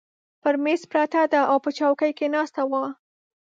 پر مېز پرته ده، او په چوکۍ کې ناسته وه.